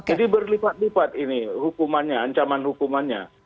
jadi berlipat lipat ini hukumannya ancaman hukumannya